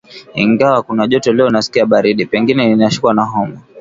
Ingawa kuna joto leo nasikia baridi. Pengine ninashikwa na homa.